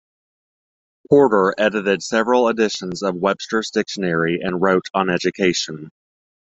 Porter edited several editions of Webster's Dictionary, and wrote on education.